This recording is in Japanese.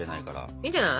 いいんじゃない。